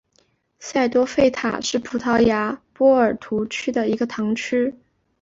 塞多费塔是葡萄牙波尔图区的一个堂区。